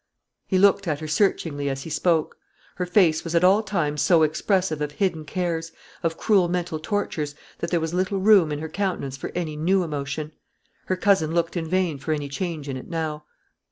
He looked at her searchingly as he spoke. Her face was at all times so expressive of hidden cares, of cruel mental tortures, that there was little room in her countenance for any new emotion. Her cousin looked in vain for any change in it now.